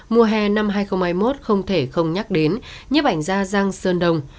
mùa hè năm hai nghìn hai mươi một không thể không nhắc đến như ảnh gia giang sơn đồng